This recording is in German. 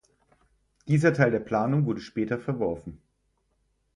Dieser Teil der Planungen wurde später verworfen.